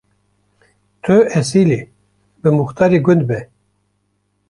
Tu esîlî, bi muxtarê gund be.